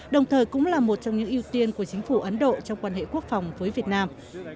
đồng thời cũng là một trong những ưu tiên của chính phủ ấn độ trong quan hệ quốc phòng với việt nam